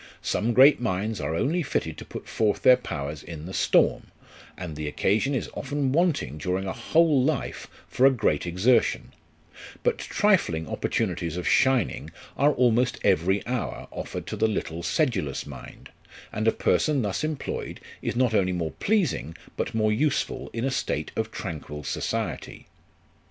Some great minds are only fitted to put forth their powers in the storm, and the occasion is often wanting during a whole life for a great exertion; but trifling opportunities of shining are almost every hour offered to the little sedulous mind, and a person thus employed, is not only more pleasing but more useful in a state of tranquil society.